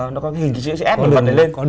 nó có hình kỳ truyền hóa